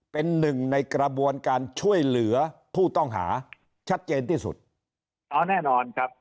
เป็นหนึ่งในกระบวนการช่วยเหลือผู้ต้องหาชัดเจนที่สุดเอาแน่นอนครับ